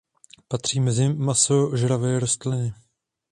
Patří mezi masožravé rostliny.